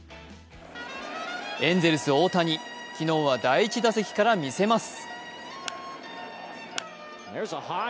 エンゼルス・大谷、昨日は第１打席からみせます。